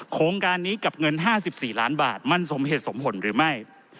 โครงการนี้กับเงิน๕๔ล้านบาทมันสมเหตุสมผลหรือไม่